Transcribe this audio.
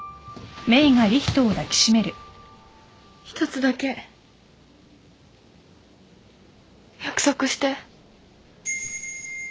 １つだけ約束して。